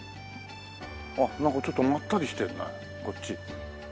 あっなんかちょっとまったりしてるねこっち。